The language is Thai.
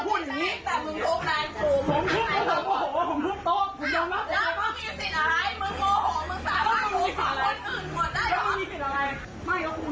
มึงโมเหาค์มึงสามารถครบส่องคนอื่นหมดได้หรือ